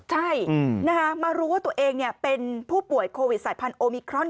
ใช่มารู้ว่าตัวเองเป็นผู้ป่วยโควิดสายพันธุมิครอน